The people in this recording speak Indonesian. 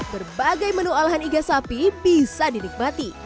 berbagai menu olahan iga sapi bisa dinikmati